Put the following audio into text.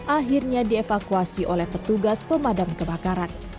akhirnya dievakuasi oleh petugas pemadam kebakaran